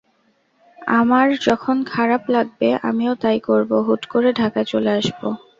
আমার যখন খারাপ লাগবে, আমিও তা-ই করব, হুট করে ঢাকায় চলে আসব।